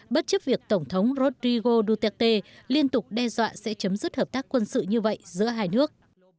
bất chấp việc tổng thống rodrigo duterte liên tục đe dọa sẽ chấm dứt hợp tác quân sự như vậy giữa hai nước